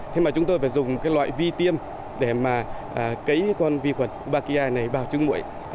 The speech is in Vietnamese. thế mà chúng tôi phải dùng cái loại vi tiêm để mà cấy con vi khuẩn baki này vào trứng mũi